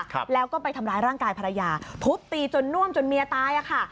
ครับแล้วก็ไปทำร้ายร่างกายภรรยาทุบตีจนน่วมจนเมียตายอ่ะค่ะ